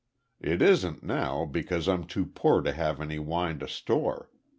It isn't now, because I'm too poor to have any wine to store.